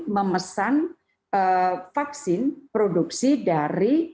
memesan vaksin produksi dari